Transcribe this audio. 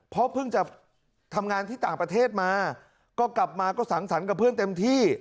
เพราะเพิ่งจะทำงานที่ต่างประเทศมาก็กลับมาก็สังสรรค์กับเพื่อนเต็มที่